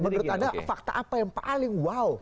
menurut anda fakta apa yang paling wow